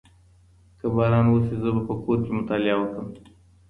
که باران وشي زه به په کور کي مطالعه وکړم.